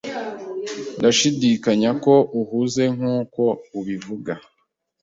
Ndashidikanya ko uhuze nkuko ubivuga.